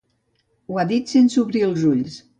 Ho ha dit sense obrir els ulls.